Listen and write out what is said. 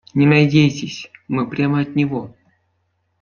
Не надейтесь, мы прямо от него.